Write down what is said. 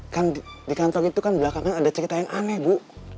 kan di kantor itu kan belakangan ada cerita yang aneh bu